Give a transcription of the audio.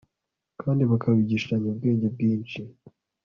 kandi bakawigishanya ubwenge bwinshi